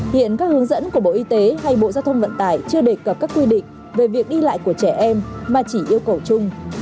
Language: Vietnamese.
hiện các hướng dẫn của bộ y tế hay bộ giao thông vận tải chưa đề cập các quy định về việc đi lại của trẻ em mà chỉ yêu cầu chung